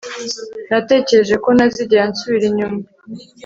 Natekereje ko ntazigera nsubira inyuma